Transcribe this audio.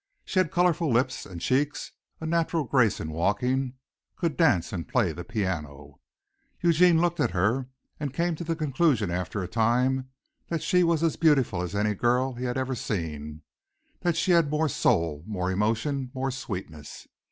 She had colorful lips and cheeks, a natural grace in walking, could dance and play the piano. Eugene looked at her and came to the conclusion after a time that she was as beautiful as any girl he had ever seen that she had more soul, more emotion, more sweetness.